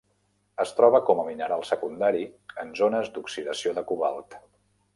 Es troba com a mineral secundari en zones d'oxidació del cobalt.